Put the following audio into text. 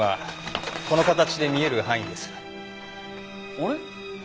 あれ？